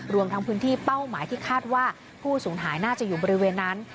รวมทั้งพื้นที่เป้าหมายที่คาดว่าผู้สูญหายน่าจะอยู่บริเวณนั้น